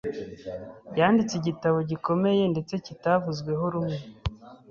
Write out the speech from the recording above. yanditse igitabo gikomeye ndetse kitavuzweho rumwe